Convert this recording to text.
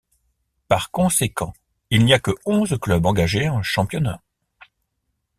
Par conséquent, il n'y a que onze clubs engagés en championnat.